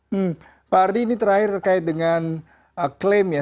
hmm pak ardi ini terakhir terkait dengan klaim ya